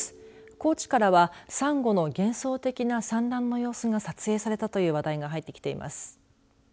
高知からはサンゴの幻想的な産卵の様子が撮影されたという話題が入ってきています。